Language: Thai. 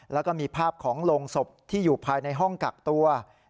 แล้วก็มีภาพของโรงศพที่อยู่ภายในห้องกักตัว